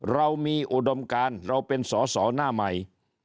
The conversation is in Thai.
เรามีอุดมการเราเป็นสอสอหน้าใหม่